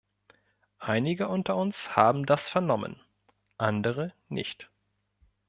Einige unter uns haben das vernommen, andere nicht.